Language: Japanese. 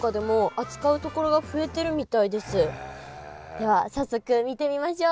では早速見てみましょう。